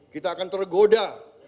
kita akan tergoda